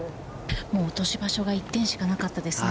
落とし場所が一点しかなかったですね。